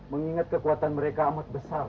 mengingat kekuatan mereka amat besar